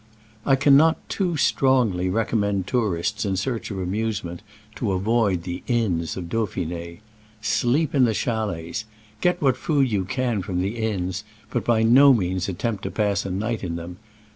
I cannot too strongly recommend tour ists in search of amusement to avoid the inns of Dauphin^. Sleep in the chalets. Get what food you can from the inns, but by no means attempt to pass a night in them.